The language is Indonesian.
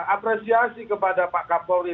apresiasi kepada pak kapolri